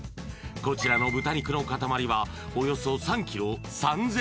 こちらの豚肉の塊はおよそ３ｋｇ３０００円